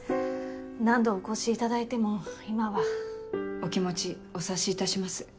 何度お越しいただいても今は。お気持ちお察しいたします。